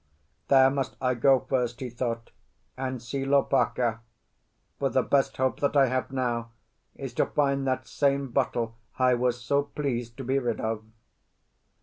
"There must I go first," he thought, "and see Lopaka. For the best hope that I have now is to find that same bottle I was so pleased to be rid of."